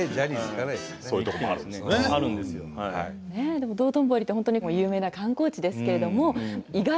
でも道頓堀って本当に有名な観光地ですけれども。